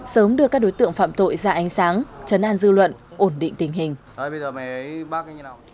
sớm đưa các đối tượng phạm tội ra ánh sáng chấn an dư luận ổn định tình hình